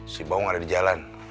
si bawong ada di jalan